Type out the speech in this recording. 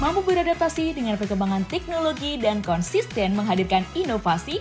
mampu beradaptasi dengan perkembangan teknologi dan konsisten menghadirkan inovasi